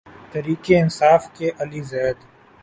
تحریک انصاف کے علی زیدی